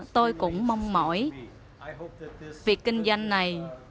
tôi cũng mong mỏi việc kinh doanh này